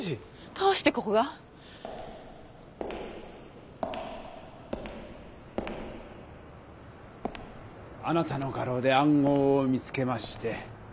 どうしてここが？あなたの画廊で暗号を見つけまして。